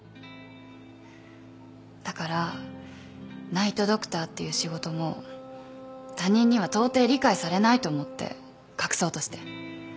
だからナイト・ドクターっていう仕事も他人にはとうてい理解されないと思って隠そうとして。